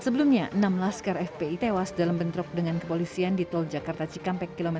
sebelumnya enam laskar fpi tewas dalam bentrok dengan kepolisian di tol jakarta cikampek km lima puluh pada tujuh desember dua ribu dua puluh